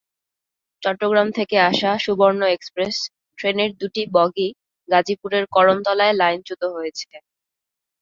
চট্টগ্রাম থেকে আসা সুবর্ণ এক্সপ্রেস ট্রেনের দুটি বগি গাজীপুরের করমতলায় লাইনচ্যুত হয়েছে।